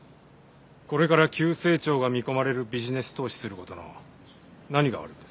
これから急成長が見込まれるビジネス投資する事の何が悪いんです？